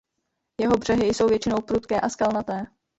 Jeho břehy jsou většinou prudké a skalnaté.